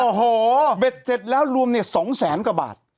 โอ้โหเบ็ดเสร็จแล้วรวม๒แสนกว่าบาท